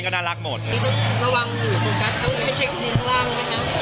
จะต้องระวังหลุดโฟกัสทั้งหมดให้เช็คอุณหลำไหมครับ